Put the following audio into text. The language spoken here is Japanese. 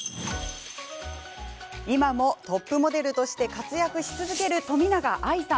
今も、トップモデルとして活躍し続ける冨永愛さん。